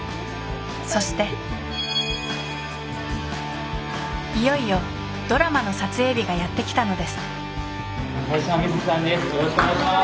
そしていよいよドラマの撮影日がやって来たのです茅島みずきさんです。